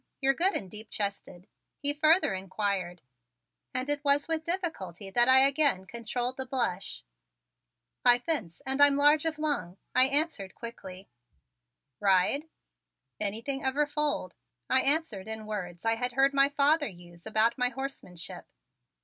You're good and deep chested," he further inquired and it was with difficulty that I again controlled the blush. "I fence and I'm large of lung," I answered quickly. "Ride?" "Anything ever foaled," I answered in words I had heard my father use about my horsemanship.